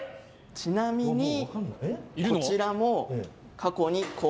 ちなみにこちらも。